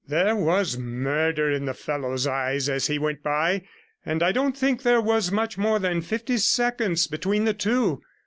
There was murder in the fellow's eyes as he went by, and I don't think there was much more than fifty seconds between the two.